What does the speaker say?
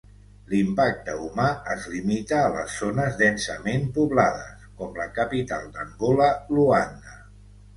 L'impacte humà es limita a les zones densament poblades, com la capital d'Angola, Luanda.